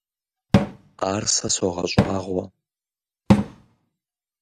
Ар сэ согъэщӏагъуэ.